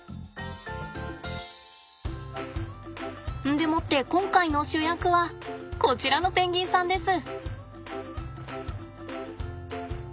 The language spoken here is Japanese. でもって今回の主役はこちらのペンギンさんです。